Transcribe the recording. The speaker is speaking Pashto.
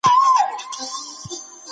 د مېوو په استعمال سره وزن کنټرولیږي.